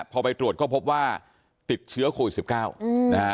พอไปตรวจก็พบว่าติดเชื้อโควิด๑๙นะฮะ